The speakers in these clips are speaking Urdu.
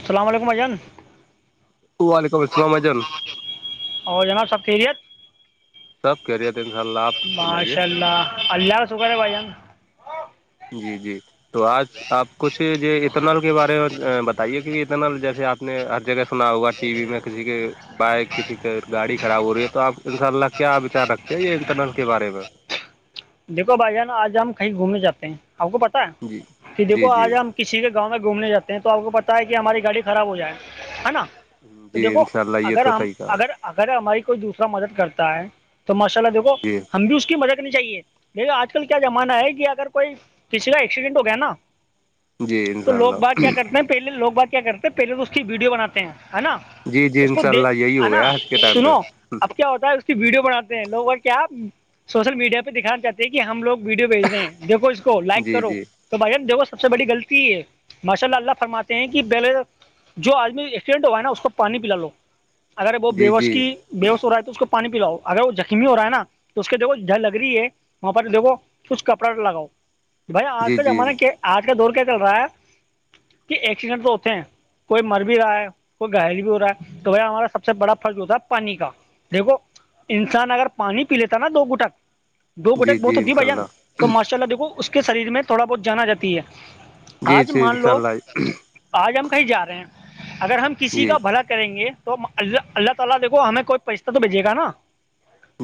السلام علیکم اان وعلیکم السلام ا جان اور جناب سب تھیری ہے سب کہہرییےت ان شاء اللہ آپ فرمائیے ماشاء اللہ اللہ کا شکر ہے بھائیان جی جی تو آج آپ کچھ یہ اترناال کے بارے میں بتائیے کہ [inaudible] چل جیسے آپ نے ہر جگہ سنا ہوگا ٹی وی میں کسی کے بائک کسی کے گاڑی خراب ہو رہی ہے تو آپ انشاء اللہ کیا بچار رکھتے ہیں یہ انٹرنیل کے بارے میں دیکھو بھائی جان آج ہم کہیں گھومنے جاتے ہیں آپ کو پتا ہے جی کہ جی دیکھو جی آج ہم کسی کے گاؤں میں گھومنے جاتے ہیں تو آپ کو پت ہے کہ ہماری گاڑی خراب ہو جائے ہے نا تو جی دیکھو انشاء اللہ یہ اگر تو ہم صحیح کہا اگر اگر ہماری کوئی دوسرا مدد کرتا ہے تو ماشاء اللہ دھو جی ہم بھی اس کی مجہ نہیں چاہیے دیکھ آج کل کیا زمانہ ہے کہ اگر کوئی کسی کا ایکسیڈنٹ ہو گیا نا جی تو انشاء لوگ اللہ بات کیا کرتے ہیں پہلے لوگ بات کیا کرتے ہیں پہلے تو اس کی ویڈیو بناتے ہیں ہے نا جی جی اس کو انشاء د اللہ یہی ہے ہو نا گیا آج کے ٹائم پہ سنو اب کیا ہوتا ہے اس کی ویڈیو بناتے ہیں لوگ اور کیا سوشل میڈیا پہ دکھانے دیکھیے ہم لوگ ویڈیو بھیج رہے ہیں دیکھو اس کو لائک جی کرو جی تو بھائی ہم دیکھو سب سے بڑی غلطی ہے ماشاء اللہ اللہ فرماتے ہیں کہ پہلے جو آدمی ایکسیڈنٹ ہوا ہے نا اس کو پانی پلا لو اگر وہ جی بےوس جی کی بیوش ہو رہا ہے تو اس کو پانی پیلااؤ اگر وہ زخمی ہوا ہےا تو اس کے دھو جھل لگ رہی ہے وہاں پر دےگو کچھ کپڑا لگاؤ بھائی آج جی کا جی زمانہ کے آج کا دور کیا چل رہا ہے کہ ایکسیڈنٹ تو ہوتے ہیں کوئی مر بھی رہا ہے کوئی گائل بھی ہو رہا ہے تو وہ ہمارا سب سے بڑا فرض ہوتا ہے پانی کا دیکھو انسان اگر پانی پی لیتا نا دو گٹک دو جی گٹک بہت جی ہوتی ہے انشاء بھائی جان اللہ تو ماشاء اللہ دیکھو اس کے شریر میں تھوڑا بہت جان آ جاتی ہے جی آج جی مان انشاء لو اللہ آج ہم کہیں جا رہے ہیں اگر ہم کسی جی کا بھلا نہیں ہے تو اللہ تعالی دیکھو ہمیں کوئی پیسہ تو بھیجیے گا نا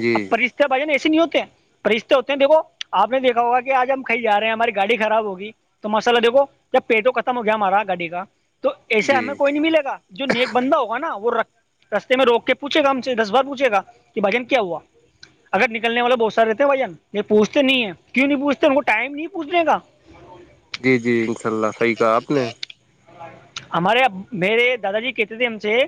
جی کیا بھائین ایے نہیں ہوتے ہیں فشتے ہوتے ہیں دیکو آ نے دیکھا ہوگا کہ آج ہم کیں ج رہے ہیں ہماری گاڑی خراب ہوگی تو مسئلہ دیکھو جب پیٹوں ختم ہو گیا ہمارا گاڈی کا تو ایسے جی ہمیں کوئی نہیں ملے گا جو نیک بندہ ہوگا نا وہ رکھ رستے میں روک کے پوچھےا ہم سے دس بار پوچھے گا کہ بھائی جان کیا ہوا اگر نکلنے والا بہت سارے بجن یہ پوچھتے نہیں ہے کیوں نہیں پوچتے ان کو ٹائم نہیں پوچھنے کا جی جی انشاء اللہ صحیح کہا آپ نے ہمارے میرے دادا جی کہتے تھے ہم سے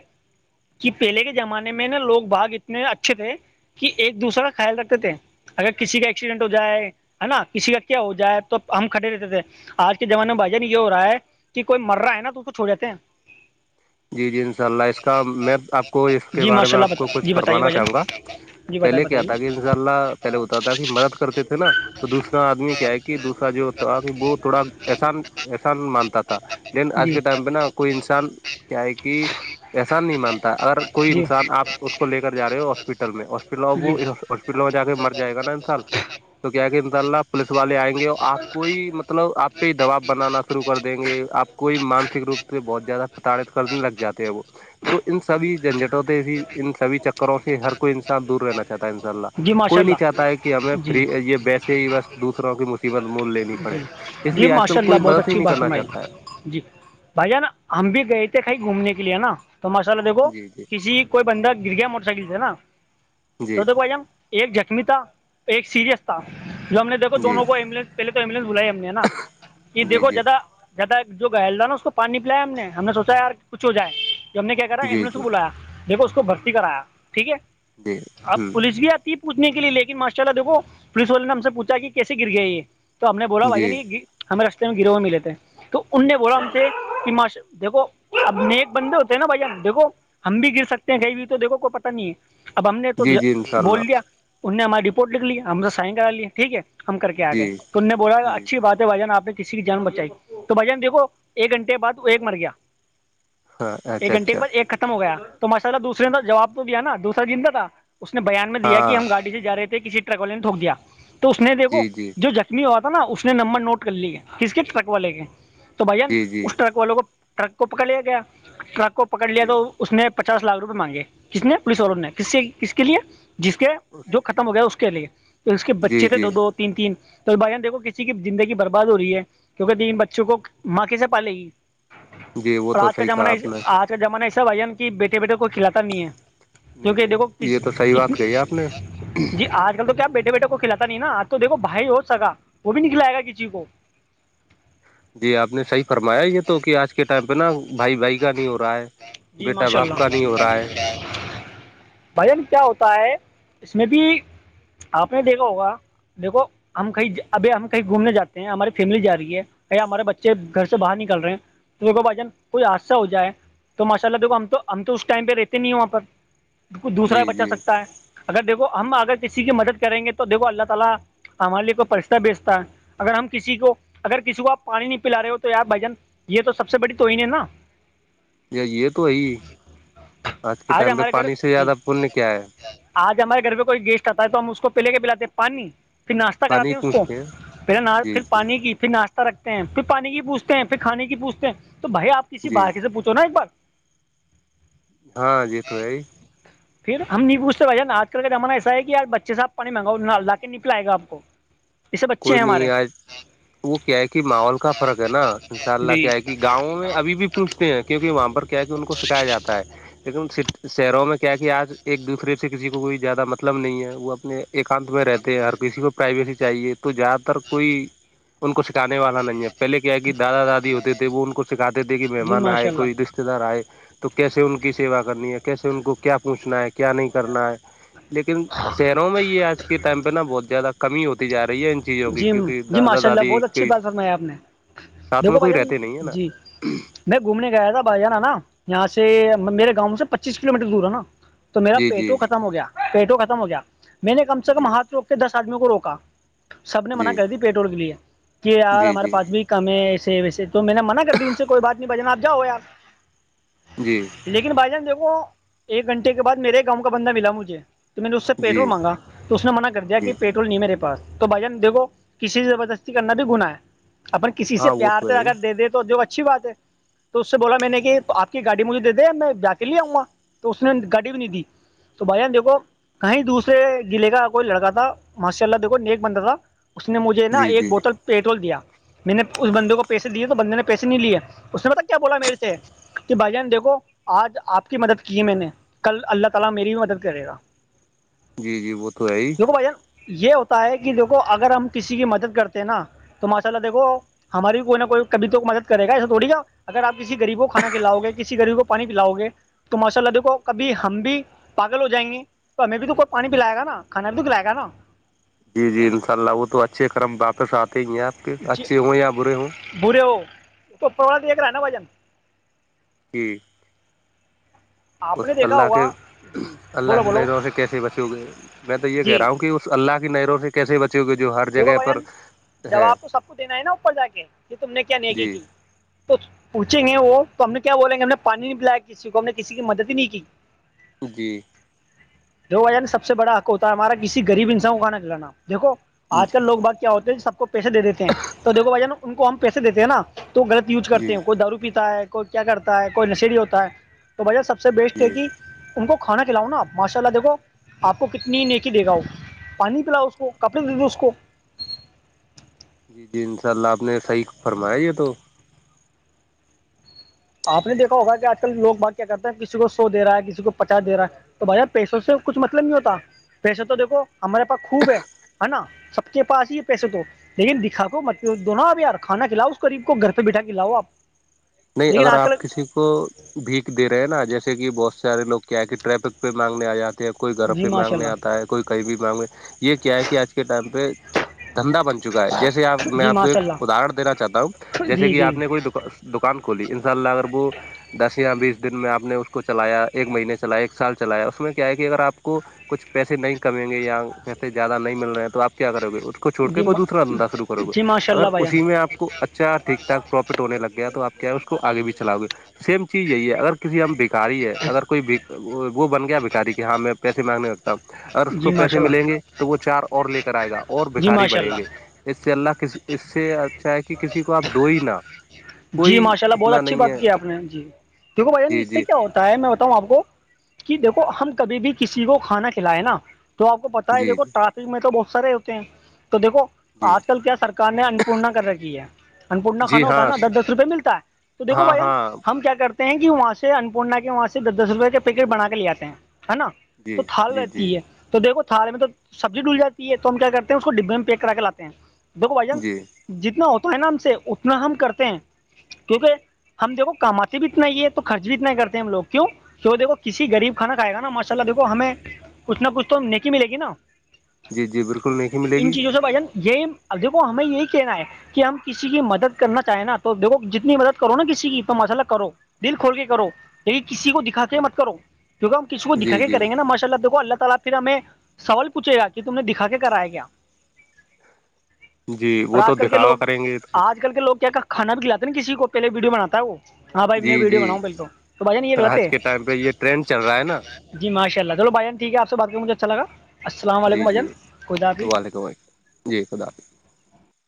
کہ پہلے کے زمانے میں نا لوگ باگ اتنے اچھے تھے کہ ایک دوسرا کا خیال رکھتے تھے اگر کسی کا ایکسیڈنٹ ہو جائے ہے نا کسی کا کیا ہو جائے تو ہم کھٹے رہتے تھے آج کے زمانے میں بھائی جان یہ ہو رہا ہے کہ کوئی مر رہا ہے نا تو اس کو چھوڑ دیتے ہیں [inaudible] جی جی انشاء اللہ اس کا میں آپ کو اس کے جی بارے ماشاء میں اللہ آپ بتا کو کچھ جی بتائیے فرمانا بھائی جان چاہوں گا جی بتائیں پہلے کیا بتائیے تھا کہ ان شاء اللہ پہلے بتاتا تھا کہ مدد کرتے تھے نا تو دوسرا آدمی کیا ہے کہ دوسرا جو وہ تھوڑا احسان احسان مانتا تھا لیکن آج جی کے ٹائم پہ نا کوئی انسان کیا ہے کہ [unintelligible] ایسا نہیں مانتا اگر کوئی جی انسان آپ اس کو لے کر جا رہے ہو ہاسپٹل میں ہاسپٹل جی وہ پلوں میں جا کے مر جائے گا انسال تو کیا کہ انشءلہ پولیس والے آئیں گے اور آپ کوئی مطلب آپ پہ ہی دباؤ بنانا شروع کر دیں گے آپ کوئی مانسک روپ سے بہت زیادہ تڑ کرنے لگات وہ تو ان سبھی جھنجھٹوں ت بھی ان سبھی چکروں سے ہر کوئی انسان دور رہنا چاہتا ہے ان شاء اللہ جی ماشاء کوئی نہیں اللہ چاہتا ہے کہ ہمیں جی فری یہ بییسے ہی بس دوسروں کی مشل قیمت مول لینی پڑے جی اس جی لیے آج کل ماشاء اللہ کوئی بہت مدد ہی اچھی نہیں بات کرنا فرمائی چاہتا ہے جی بھائی جان ہم جی بھی گئے تھے کہیں گھومنے کے لیے ہے نا تو ماشاء اللہ دیکھو جی جی کسی کوئی بندہ گر گیا موٹر سائیکل سے نا جی تو دیکھو ایک جخمی تھا ایک سیریس تھا جو ہم نے دیکھو جی دونوں کو ایمبولینس پہلے تو ایمبولینس بھلاائی ہم نے ہے نا کہ دھو جی زیادہ زیادہ جو گہل تھا نا اس کو پانی پلایا ہم نے ہم نے سوچا ہے یار کچھ ہو جائے ہم نے کیا کرا جی ایمبلینس کو بلایا دیکھو اس کو بھرتی کرایا ٹھیک ہے جی جی ہ اب پولیس بھی آتی پوچنے کے لیے لیکن ماشاء اللہ دیکو پوس والے نے ہم سے پوچھا کہ کیسے گر گیا یہ تو ہم نے بولا بھائی جی جان ہمیں رستے میں گرو ہوئے ملے تھے تو ان نے بولاا ہم جی سے کہ ماشا دیکو اب ن ایک بندے ہوتے ہیں نا بھیا دیکھو ہم بھی گر سکتے ہیں کہیں بھی تو دیکھو کو پتا نہیں ہے اب ہم نے تو جی جی انشاء بول اللہ دیا ان نے ہماری رپورٹ لکھ لی ہم سے سائن کرا لیا ٹھیک ہے ہم کر کے آ جی گئے تم نے بولا جی اچھی بات بھائی جان آپ نے کسی کی جان بچائی تو بھائی جان دھو ایک گھنٹے بعد ایک مر گیا ہاں ایک اچھا گھنٹے کے اچھا بعد ایک ختم ہو گیا تو ماشاء اللہ دوسرے جی نے جی جواب تو دیا نا دوسرا جندا تھا اس نے بیان میں دیا کہ ہاں ہم گاڑی سے جا رہے تھے کسی ٹرک والے نے تھٹوک دیا تو اس نے دیکو جی جی جو ج ہوا تھا نا اس نے نمبر نوٹ کر لی کس کے ٹرک والے کے تو بھائییا جی جی اس ٹرک والوں کو ٹرک کو پکڑ لیا گ ٹرک کو پکڑ لیا جی تو [unintelligible] اس نے پچاس لاکھ روپئے مانگے کس نے پولیس والوں نے کس کس کے لیے جس کے جو ختم ہو گیا اس کے لے تو اس کے جی بچے تھے جی دو دو تین تین تو بان دیکھو کسی کی زندگی برباد ہو رہی ہے کیونکہ تین بچوں کو ماں کیسے پالے گی جی وہ اور تو آج کا صحیح زمانہ کہا ای آپ نے آج کا زمانہ ایسا بھائی ن کہ بیٹے بیٹے کوئی کھلاتا نہیں ہے نہیں کیونکہ نہیں دیکھو پس یہ تو صحیح بات کہی آپ نے جی آج کل تو کیا بیٹے بیٹے کو کھاتا نہیں ن آج تو دیکو بھائی ہو سکا وہ بھی نکلئے گا کسی کو جی آپ نے صحیح فرمایا یہ تو کہ آج کے ٹائم پہ نا بھائی بھائی کا نہیں ہو رہا ہے جی بیٹا ماشاء باپ اللہ کا نہیں ہو رہا ہے بجن کیا ہوتا ہے اس میں بھی آپ نے دیکھا ہوگا دیکھو ہم کہیں ابھی ہم کہیں گھومنے جاتے ہیں ہماری فیملی جا رہی ہے کہئی ہمارے بچے گھر جی سے باہر نکل رہے ہیں تو دیکھو بھائی جان کوئی حادثہ ہو جائے تو ماشاء اللہ دھو ہم تو ہم تو اس ٹائم پہ رہتے نہیں ہیں وہاں پر دوسرا جی بچا جی سکتا ہے اگر دیکھ ہم اگر کسی کی مدد کریں گے تو دیکھو اللہ تعالی ہمارے لیے کوئی پرستہ بیچتا ہے اگر ہم کسی کو اگر کسی کو آپ پانی نہیں پلا رہے ہو تو یار بھائی جان یہ تو سب سے بڑی تو ہین ہے نا یہ تو وہی آج کے ٹائم پہ ہمارے گھر پانی سے جی زیادہ پنیہ کیا ہے [unintelligible] آج ہمارے گھر پ کوئی گسٹ آتا ہے تو ہم اس کو پہے کے پ بلااتے پانی پھر ناشتہ پانی کراتے ہیں اس کو پوچھتے پھر جی پھر جی پانی کی پھر ناشتہ رکھتے ہیں پھر پانی کی پوچھتے ہیں پھر کھانے کی پوچھتے ہیں تو بھائی آپ کسی جی بارک سے پوچھو نا ایک بار ہاں جی تو ہے ہی پھر ہم نہیں پوچھتے بج نا آج کل کا زمانہ ایسا ہے یار بچ سےپ پانی منگاؤ لا کے نہیں پلائے گا آپ کو اس سے بچے کوئی ہیں ہمارے نہیں آج وہ کیا ہے کہ ماحول کا فرق ہے نا انشاء اللہ جی کیا ہے کہ گاؤں میں ابھی بھی پوچھتے ہیں کیکہ وہاں پر کیا کہ ان کو سکھایا جاتا ہے لیکن شہروں میں کیا کہ آج ایک دوسرے سے کسی کو کوئی زیادہ مطلب نہیں ہے وہ اپنے ایکانت میں رہتے ہیں ہر کسی کو پرائیویسی چاہیے تو زیادہ تر کوئی ان کو سکھانے والا نہیں ہے پہلے کیا کہ دادا دادی ہوتے تھے وہ ان کو سکھاتے تھے کہ جی مہمان آئے ماشاء اللہ کوئی رشتے دار آئے تو کیسے ان کی سیوا کرنی ہے کیسے ان کو کیا پوچھنا ہے کیا نہیں کرنا ہے لیکن شہروں میں یہ آج کے ٹائم پہ نا بہت زیادہ کمی ہوتی جا رہی رہیین [unintelligible] چیز ہوگی جی کیونکہ جی دادا ماشاء اللہ دادی بہت اچھی کے بات فرمائی آپ نے ساتھ میں دیکھو بھائی کوئی جان رہتے نہیں ہے نا جی ہوں [unintelligible] میں گھومنے گ آیا تھا بھائی جانا نا یہاں سے میرے گاؤں سے پچیس کلو میٹر دور ہے نا تو میرا جی جی پیٹوں ختم ہو گیا پیٹوں ختم ہو گیا میں نے کم سے کم جی ہاتھ روک کے دس آدمیوں کو روکا سب نے منع جی کر دی پیٹول کے لیے کہ یار جی ہمارے جی پاس بھی کم ہے ایسے ویسے تو میں نے منع کر دی ان سے کوئی بات نہیں بجن آپ جاؤ یار جی لیکن بھائی جان دیکھو ایک گھنٹے کے بعد میرے ہی گاؤں کا بندہ ملا مجھے تو میں نے اس سے جی پیٹرول مانگا تو اس نے مع کر دیا کہ جی پیٹرول نہیں ہے میرے پاس تو بھائی جان دیکھو کسی سے زبردستی کرنا بھی گنا ہے اپن کسی سے ہاں وہ پیار تو ہے سے ہی اگر دے دیں تو جو اچھی بات ہے تو اس سے بولا میں نے کہ آپ کی گاڑی مجھے دے دیا میں با کے لے آؤں گا تو اس نے گاڑی بھی نہیں دی تو بھائی جان دیکو کہیں دوسرے گلے کا کوئی لڑکا تھا ماشاء اللہ دیکھو نیکسٹ بندہ تھا اس نے مجھے نا جی ایک جی بوتل پیٹرول دیا میں نے اس بندے کو پیسے دیے تو بندے نے پیسے نہیں لیے اس نے بتا کیا بولا میرے سے کہ بھائی جان دیکھو آج آپ کی مدد کی ہے میں نے کل اللہ تعالی میری بھی مدد کرے گا جی جی وہ تو ہے ہی بھائ جا ن یہ ہوتا ہے کہ دیکھو اگر ہم کسی کی مدد کرتے ہیں نا تو ماشاء اللہ دیکھو ہماری بھی کوئی نہ کوئیبھی تو مد کرے گا ایسے تھوڑیا اگر آپ کسی ریب کو کھانا کھلاؤ گے کسی غریب کو پانی پلاؤ گے تو ماشاء اللہ دیکھو کبھی ہم بھی پاگل ہو جائیں گے تو ہمیں بھی توئی پانی پلائے گا نا کھا بھی تو پلائے گا نا جی جی انشاء اللہ وہ تو اچھے کرم واپس آتے ہی ہیں آپ کے جی اچھے ہوں یا برے ہوں برے ہو اس کو پرواد دیکھ رہا ہے نا بجن ٹھ [unintelligible] آپ اس نے دیکھا اللہ کے ہوگا جی اللہ بولو کی بولو نظروں سے کیسے بچو گئے میں تو یہ کہہ جی رہا ہوں کہ اس اللہ کی نروں سے کیسے ب ج گ جو ہر [unintelligible] دگو بن ہے جاب تو سب کو دینا ہے نا اوپر جا کے کہ تم نے کیا نیکی جی کی [unintelligible] تو پوچیں گے وہ تو ہم نے کیا بولیں گے ہم نے پانی نہیں پلایا کسی کو ہم نے کسی کی مدد ہی نہیں کی جی جو وا سب سے بڑا حق ہوتا ہے ہمارا کسی غریب انسان کو کاا کلانا دیکو جی آج کل لوگ بات کیا ہوتے ہیں سب کو پیسے دے دیتے ہیں تو دیکو بھائی جان ن ان کو ہم پیسے دیتے ہیں نا تو غلط یوج کرتے جی ہیں کوئی دارو پیتا ہے کوئی کیا کرتا ہے کوئی نشیڑی ہوتا ہے تو بھاجن سب سے جی بیسٹ ہے کہ جی ان کو کھانا کھلاؤ نا ماشاء اللہ دیکھو آپ کو کتنی نیکی دے گا ہو پانی پلا اس کو کپڑے دے دو اس کو جی جی انشاء اللہ آپ نے صحیح فرمایا یہ تو آپ نے دیکھا ہوگا کہ آج کل لوگ بات کیا کرتے ہیں کسی کو سو دے رہا ہے کسی کو پچاس دے رہا ہے تو بھائی پیسوں سے کچھ مطلب نہیں ہوتا پیسے تو دیکھو ہمارے پاس خوب ہے نا سب کے پا ہی پیسے تو لیکن دکھا کوو مطل د نا اپ یار کانا کھلاؤ اس قریب کو گھر پہ بیٹھا کھلاؤ آپ [unintelligible] نہیں لیکن اگر آج کل آپ کسی کو بھییک دے رہے ہیں نا جیسے کہ بہت سارے لو کیا ہے کہ ٹریفک پہ مانگنے آ جاتے کوئی گھر جی پہ ماشاء مانگنے اللہ آتا ہے کوئی کہیں بھی مانگنے یہ کیا ہے کہ آج کے ٹائم پہ دھندا بن چکا ہے جیسے آپ میں جی آپ کو ایک ماشاء اللہ ادہرن دینا چاہتا ہوں جیسے جی کہ آپ جی نے کوئی دکان کلی ان شاء اللہ اگر وہ دسیا بیس [unintelligible] دن میں آپ نے اس کو چلایا ایک مہینے چلایا ایک سال چلایا اس میں کیا ہے کہ اگر آپ کو کچھ پیسے نہیں کمیں گے یا پیسے زیادہ نہیں مل رہے ہیں تو آپ کیا کرو گے کو چھوڑ کے جی کوئی ما- دوسا دھندا شرو کرو گے جی ماشاء اگر اللہ بھائی اسی میں جان آ کو اچھا ٹھیک ٹھ پرفٹ ہونے لگ گیا توپ کیا ہے اس کو آگے بھی چلاؤ گے سیم چیز یہی ہے اگر کسی ہم بھکاری ہے اگر کوئی ب وہ بن گیا بھکاری کہ ہاں ہمیں پیسے مانگنے ہو [unintelligible] اس کو جی پیسے ماشاء اللہ ملیں گے تو وہ چار اور لے کر آئے گا اور جی بھکھاری ماشاء بڑھیں اللہ گے اس سے اللہ کسی اس سے اچھا ہے کہ کسی کو آپ دو ہی نا جی ماشاء اللہ بہت اچھی بات ہے آپ نے جی دیکھو بھائی جی اس جی سے کیا ہوتا میں بتاؤں آپ کو کہ دیکو ہم کبھی بھی کسی کو کھانا کھلائے نا تو آپ کو پتا ہے جی دیکھو ٹریافک میں تو بہت سارے ہوتے ہیں تو دیکھو جی آج کل کیا سرار نے انپورنا کر ر [unintelligible] ہے انپورنا کھا جی ہوتا ہے ہاں نا دس دس روپئے ملتا ہے تو دیکھو ہاں بائین ہاں ہم کیا کرتے ہیں کہ وہاں سے اننپورنا کے وہاں سے دس دس روپئے کے پیکٹ بنا کے لے آتے ہیں ہے نا تو جی تھال جی جی رہتی ہے تو دیکو تھار میں تو سبزی ڈل جاتی ہے تو ہم کیا کرتے ہیں اس کو ڈبے میں پیک کرا کے لاتے ہیں دیکھو بھ جان جی جتنا ہوتا ہے نا ہم سے اتنا ہم کرتے ہیں کیونکہ ہم دیکو کماتے بھی اتنا ہی ہے تو خرچ بھی اتنا ہی کرتے ہیں ہم لوگ کیوں تو وہ دیکھو کسی غریب کھانا کھائے گا نا ماشاء اللہ دیکھو ہمیں کچھ نہ کچھ تو نیکی ملے گی نا جی جی بالکل نہیں ملے ان گی چیزوں سے بھائی جان یہی اب دیکھو ہمیں یہی کہنا ہے کہ ہم کسی کی مدد کرنا چاہیں نا تو دیکو جتنی مدد کرو نا کسی کی اتنا مسئلہ کرو دل کھول کے کرو کسی کو دکھا کے مت کرو کیونکہ ہم اس کو دکھا جی کے جی کریں گے نا ماشاءاللہ دیکھو اللہ تعالی پھر ہمیں سوال پوچھے گا کہ تم نے دکھا کے کرایا گیا جی اور وہ تو آج کل کے دکھاوا لوگ کریں گے یہ تو آج کل کے لو کیا کانا بھی کلے نا کسی کو پہے ویڈیو باتا ہے وہ ہاں بھائی میں جی ویڈیو جی بناؤں بالک تو بھائی ج ن یہ لط آج ہے کے ٹائم پہ یہ ٹرینڈ چل رہا ہے نا [unintelligible] جی ماشاء اللہ چل بھجان ٹیک آپ سے بات کریں مجھے اچھا لگا السلام علیکم بھجان کوئی بات ب نہیں [unintelligible] [unintelligible] جی خداظ [unintelligible]